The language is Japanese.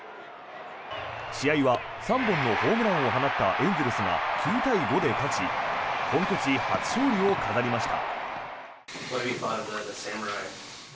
試合は３本のホームランを放ったエンゼルスが９対５で勝ち本拠地初勝利を飾りました。